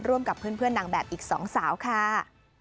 กับเพื่อนนางแบบอีก๒สาวค่ะ